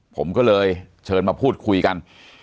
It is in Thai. ผมก็เลยเชิญมาพูดคุยกัน